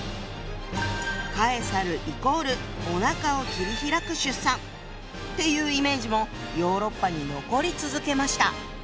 カエサルイコールおなかを切り開く出産っていうイメージもヨーロッパに残り続けました。